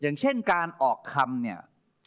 อย่างเช่นการออกคำเนี่ย